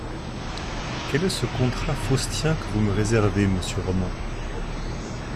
Quel est ce contrat faustien que vous me réservez monsieur Roman.